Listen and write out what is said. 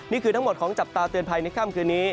นี่คือทั้งหมดของจับตาเตือนภัยในค่ำคืนนี้